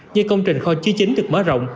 như công trình kho chứ chính được mở rộng